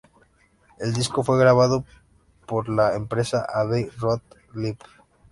El disco fue grabado por la empresa Abbey Road Live.